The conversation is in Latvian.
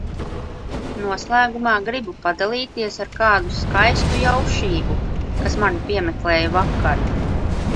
Noslēgumā gribu padalīties ar kādu skaistu jaušību, kas mani piemeklēja vakar.